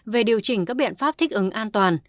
về điều chỉnh các biện pháp thích ứng an toàn